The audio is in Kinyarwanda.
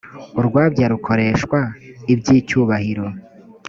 urwabya rukoreshwa iby’icyubahiro.